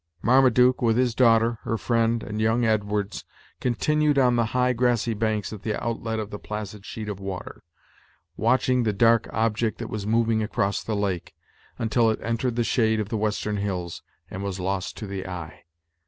Marmaduke, with his daughter, her friend, and young Edwards, continued on the high grassy banks at the outlet of the placid sheet of water, watching the dark object that was moving across the lake, until it entered the shade of the western hills, and was lost to the eye.